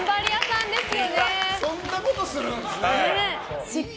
そんなことするんですか？